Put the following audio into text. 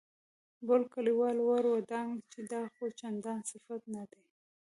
بل کليوال ور ودانګل چې دا خو چندان صفت نه دی.